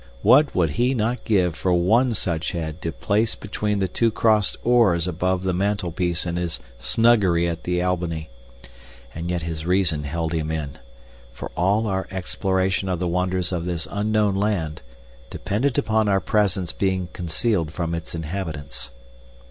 What would he not give for one such head to place between the two crossed oars above the mantelpiece in his snuggery at the Albany! And yet his reason held him in, for all our exploration of the wonders of this unknown land depended upon our presence being concealed from its inhabitants.